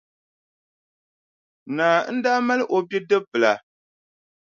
Naa n-daa mali o bidibbila.